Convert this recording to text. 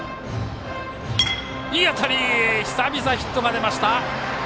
いい当たり久々ヒットが出ました。